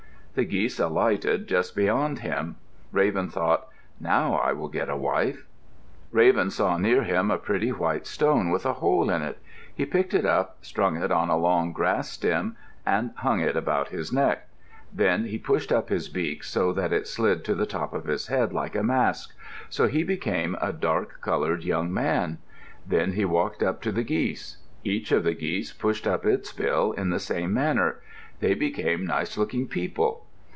The geese alighted just beyond him. Raven thought, "Now I will get a wife." Raven saw near him a pretty white stone with a hole in it. He picked it up, strung it on a long grass stem, and hung it about his neck. Then he pushed up his beak so that it slid to the top of his head like a mask; so he became a dark colored young man. Then he walked up to the geese. Each of the geese pushed up its bill in the same manner; they became nice looking people.